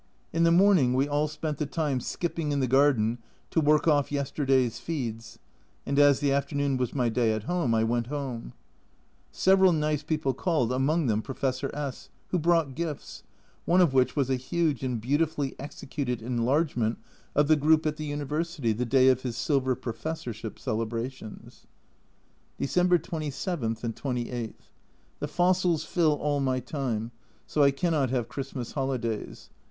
In the morning we all spent the time skipping in the garden to work off yesterday's feeds, and as the afternoon was my day at home, I went home : several nice people called, among them Professor S , who brought gifts, one of which was a huge and beautifully executed enlargement of the group at the University the day of his silver professorship celebrations. December 27 and 28. The fossils fill all my time, so I cannot have Christmas holidays.